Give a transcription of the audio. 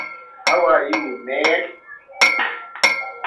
National officers come from the ranks of alumni and collegiate members.